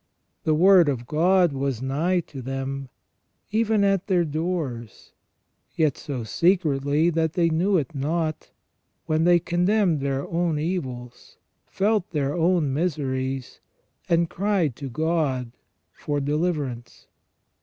The Word of God was nigh to them, even at their doors, yet so secretly that they knew it not, when they condemned their own evils, felt their own miseries, and cried to God for deliverance.